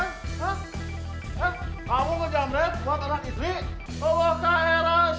eh kamu kejam mbak